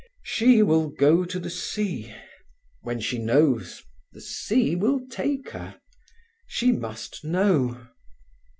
She will go to the sea. When she knows, the sea will take her. She must know."